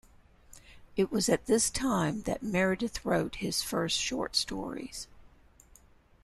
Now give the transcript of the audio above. It was at this time that Meredith wrote his first short stories.